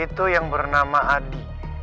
itu yang bernama adi